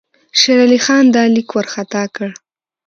شېر علي خان دا لیک وارخطا کړ.